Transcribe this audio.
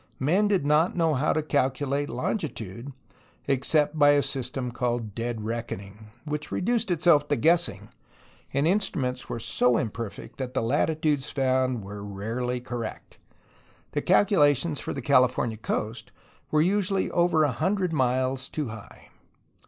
Men did not know how to calculate longitude, ex cept by a system called "dead reckoning,'' which reduced itself to guessing, and instruments were so imperfect that the latitudes found were rarely correct; the calculations for the California coast were usually over a hundred miles too high.